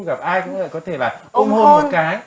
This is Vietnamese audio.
gặp ai cũng có thể là ôm hôn một cái